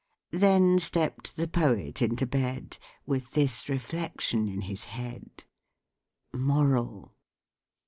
Then stepp'd the poet into bed With this reflection in his head: MORAL.